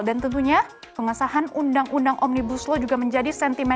dan tentunya pengesahan undang undang omnibus law juga menjadi sentimen